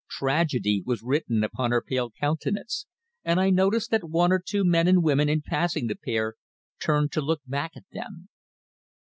Tragedy was written upon her pale countenance, and I noticed that one or two men and women in passing the pair turned to look back at them.